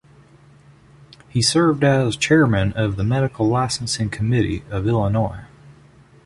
He served as Chairman of the Medical Licensing Committee of Illinois.